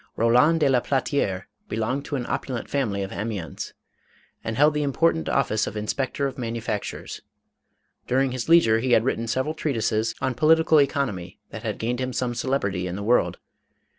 Roland de la Platiere belonged to an opulent family of Amiens, and held the important of fice of inspector of manufactures. During his leisure he had written several treatises on political economy that had gained him some celebrity in the world.